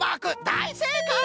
だいせいかい！